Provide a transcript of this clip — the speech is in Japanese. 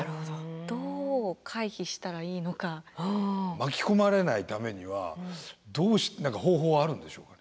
巻き込まれないためにはどう何か方法はあるんでしょうかね？